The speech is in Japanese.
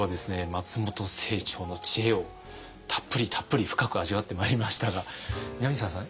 松本清張の知恵をたっぷりたっぷり深く味わってまいりましたが南沢さん